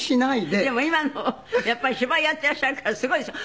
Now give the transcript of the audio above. でも今のやっぱり芝居やっていらっしゃるからすごいですよ。